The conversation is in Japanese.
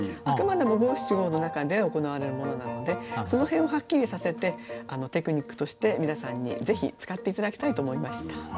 あくまでも五七五の中で行われるものなのでその辺をはっきりさせてテクニックとして皆さんにぜひ使って頂きたいと思いました。